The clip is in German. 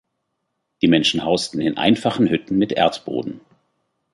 Die Menschen hausten in einfachen Hütten mit Erdboden.